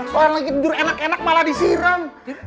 soalnya gitu dur enak enak malah disiram